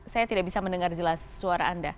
saya tidak bisa mendengar jelas suara anda